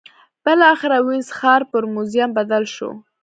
بالاخره وینز ښار پر موزیم بدل شو